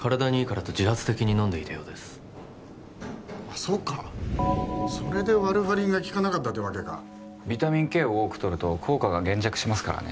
そうかそれでワルファリンが効かなかったってわけかビタミンＫを多くとると効果が減弱しますからね